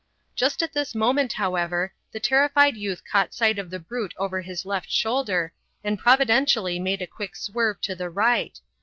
Just at this moment, however, the terrified youth caught sight of the brute over his left shoulder, and providentially made a quick swerve to the right.